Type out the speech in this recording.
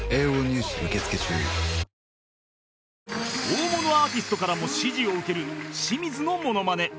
大物アーティストからも支持を受ける清水のモノマネ